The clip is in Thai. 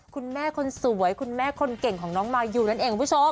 คุณแม่คนสวยคุณแม่คนเก่งของน้องมายูนั่นเองคุณผู้ชม